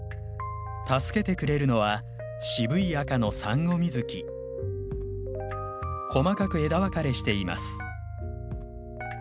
助けてくれるのは渋い赤の細かく枝分かれしています。